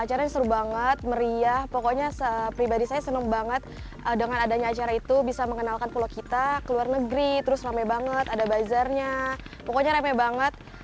acaranya seru banget meriah pokoknya pribadi saya senang banget dengan adanya acara itu bisa mengenalkan pulau kita ke luar negeri terus rame banget ada bazarnya pokoknya remeh banget